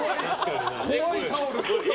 怖いタオル。